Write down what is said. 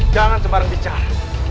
jangan sembarang bicara